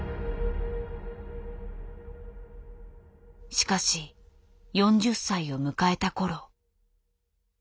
しかし４０歳を迎えた頃。